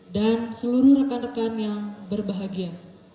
dan seluruh rekan rekan yang berbahagia